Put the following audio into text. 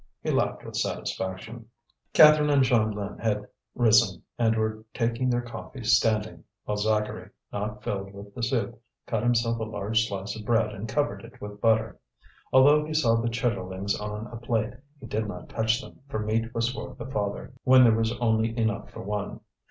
He laughed with satisfaction. Catherine and Jeanlin had risen, and were taking their coffee standing; while Zacharie, not filled with the soup, cut himself a large slice of bread and covered it with butter. Although he saw the chitterlings on a plate he did not touch them, for meat was for the father, when there was only enough for one.